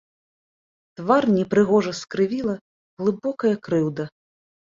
Твар непрыгожа скрывіла глыбокая крыўда.